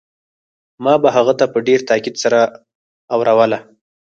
ما به هغه ته په ډېر تاکيد سره اوروله.